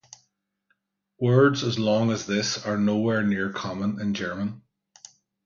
Words as long as this are nowhere near common in German.